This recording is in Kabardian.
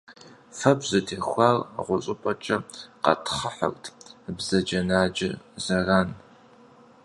Фэбжь зытехуар гъущӏыпэкӏэ къатхъыхьырт, бзаджэнаджэ зэран.